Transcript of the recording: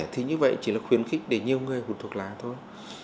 thì như vậy chỉ là khuyến khích để nhiều người hút thuốc lá thôi